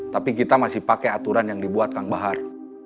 tapi kita masih pakai aturan yang dibuat kang bahar